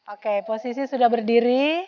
oke posisi sudah berdiri